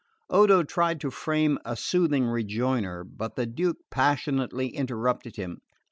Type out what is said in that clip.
Odo tried to frame a soothing rejoinder; but the Duke passionately interrupted him.